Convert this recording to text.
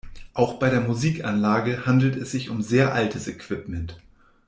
Auch bei der Musikanlage handelte es sich um sehr altes Equipment.